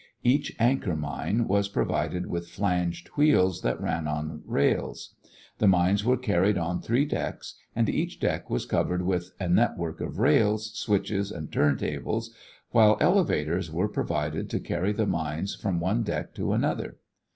Each anchor mine was provided with flanged wheels that ran on rails. The mines were carried on three decks and each deck was covered with a network of rails, switches, and turn tables, while elevators were provided to carry the mines from one deck to another.